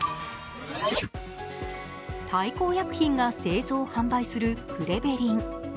大幸薬品が製造・販売するクレベリン。